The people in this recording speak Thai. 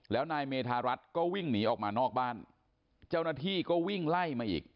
แล้วนายเมธารัฐก็วิ่งหนีออกมานอกบ้านเจ้าหน้าที่ก็วิ่งไล่มาอีก